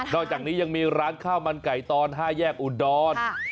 อกจากนี้ยังมีร้านข้าวมันไก่ตอน๕แยกอุดร